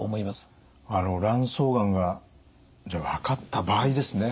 卵巣がんが分かった場合ですね